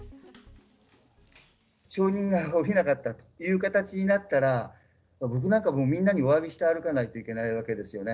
承認が下りなかったという形になったら、僕なんか、みんなにおわびして歩かないといけないわけですよね。